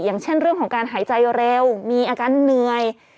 อย่างเช่นเรื่องของการหายใจเร็วมีอาการเหนื่อย